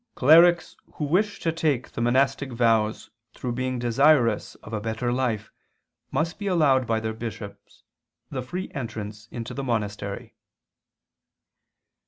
"Clerics who wish to take the monastic vows through being desirous of a better life must be allowed by their bishops the free entrance into the monastery."